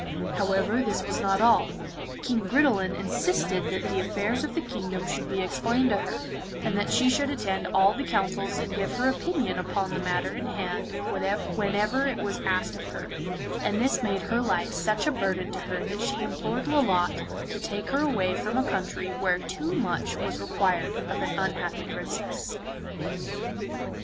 However, this was not all, King Gridelin insisted that the affairs of the kingdom should be explained to her, and that she should attend all the councils and give her opinion upon the matter in hand whenever it was asked of her, and this made her life such a burden to her that she implored Lolotte to take her away from a country where too much was required of an unhappy Princess.